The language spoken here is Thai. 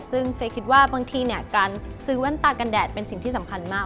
ซึ่งเฟย์คิดว่าบางทีเนี่ยการซื้อแว่นตากันแดดเป็นสิ่งที่สำคัญมาก